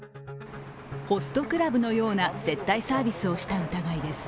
ホストクラブのような接待サービスをした疑いです。